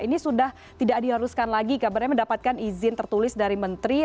ini sudah tidak diharuskan lagi kabarnya mendapatkan izin tertulis dari menteri